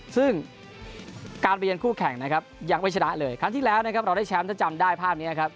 ซึ่งการเรียนคู่แข่งนะครับยังไม่ชนะเลยครั้งที่แล้วนะครับเราได้แชมป์ถ้าจำได้ภาพนี้ครับ